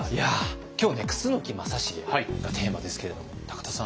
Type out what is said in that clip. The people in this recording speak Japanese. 今日ね「楠木正成」がテーマですけれども田さん